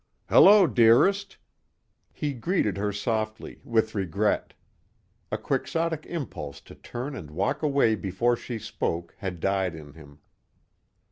"Hello, dearest." He greeted her softly, with regret. A quixotic impulse to turn and walk away before she spoke had died in him.